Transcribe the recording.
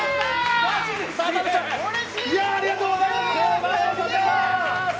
ありがとうございます！